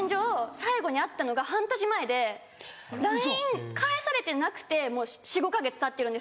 最後に会ったのが半年前でＬＩＮＥ返されてなくて４５か月たってるんですよ。